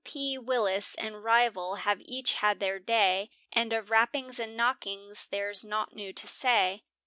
P. Willis and rival have each had their day, And of rappings and knockings there's nought new to say.